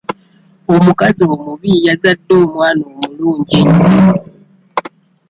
Omukazi omubi yazadde omwana omulungi ennyo.